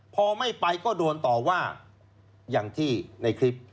พอไม่ไปก็โดนต่อว่าอย่างที่ในคลิป